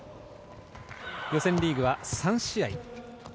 予選リーグは３試合。